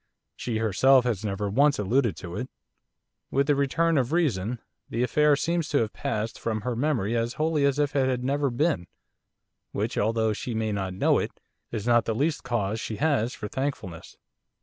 She herself has never once alluded to it. With the return of reason the affair seems to have passed from her memory as wholly as if it had never been, which, although she may not know it, is not the least cause she has for thankfulness.